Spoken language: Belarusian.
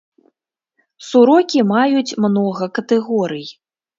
Сурокі маюць многа катэгорый.